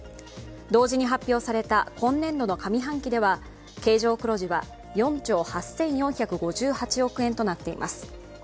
同時に発表された今年度の上半期では経常黒字は４兆８４５８億円となっています。